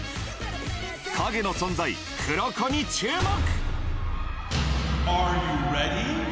陰の存在、黒子に注目。